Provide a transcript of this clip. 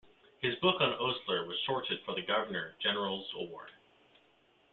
His book on Osler was shorted for the Governor General's Award.